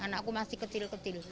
anakku masih kecil kecil